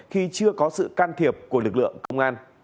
khi chưa có sự can thiệp của lực lượng công an